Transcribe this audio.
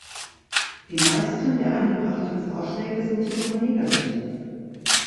Die meisten der eingebrachten Vorschläge sind jedoch negativ.